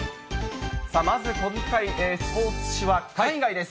まず今回、スポーツ紙は海外です。